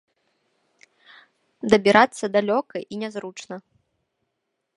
Дабірацца далёка і нязручна.